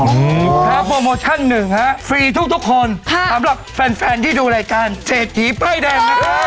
ครับโปรโมชั่นหนึ่งฮะฟรีทุกทุกคนค่ะสำหรับแฟนแฟนที่ดูรายการเศรษฐีป้ายแดงนะครับ